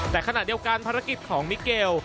แต่ขณะเดียวกันภารกิจของมิเกล